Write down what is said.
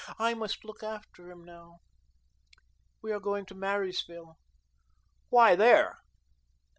I must look after him now. We are going to Marysville." "Why there?"